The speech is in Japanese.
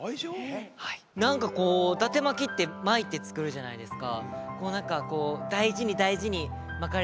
何かだて巻きって巻いて作るじゃないですか。